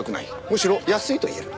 むしろ安いと言える。